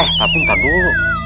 eh tapi ntar dulu